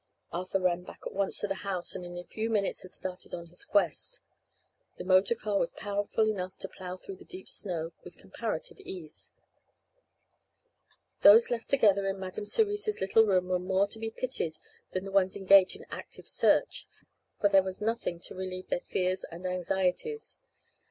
Arthur ran back at once to the house and in a few minutes had started on his quest. The motor car was powerful enough to plow through the deep snow with comparative ease. Those left together in Madam Cerise's little room were more to be pitied than the ones engaged in active search, for there was nothing to relieve their fears and anxieties.